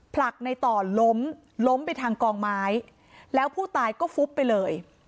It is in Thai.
ผลักในต่อล้มล้มไปทางกองไม้แล้วผู้ตายก็ฟุบไปเลย